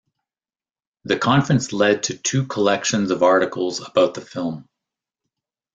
The conference led to two collections of articles about the film.